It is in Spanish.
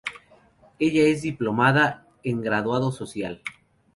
Ella es Diplomada en Graduado social.